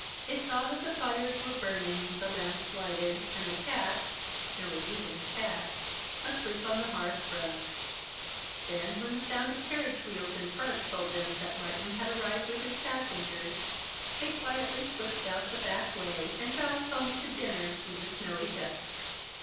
They saw that the fires were burning, the lamps lighted, and the cat there was even a cat asleep on the hearth rug; then when the sound of carriage wheels in front told them that Martin had arrived with his passengers, they quietly slipped out the back way and jogged home to dinner through the snowy dusk.